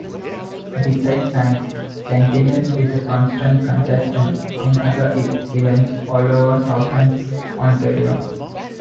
Besides Science, Centennial is a constant contestant in other events all over Southern Ontario.